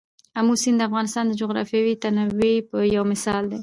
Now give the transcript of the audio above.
آمو سیند د افغانستان د جغرافیوي تنوع یو مثال دی.